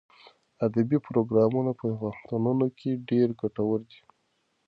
ادبي پروګرامونه په پوهنتونونو کې ډېر ګټور دي.